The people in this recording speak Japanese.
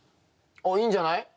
おっいいんじゃない？